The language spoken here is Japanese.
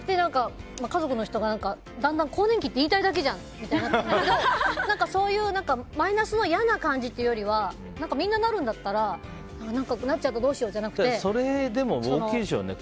家族の人がだんだん更年期って言いたいだけじゃんみたいになってきてそういうマイナスの嫌な感じというよりはみんな、なるんだったらなっちゃってそれ大きいでしょうね。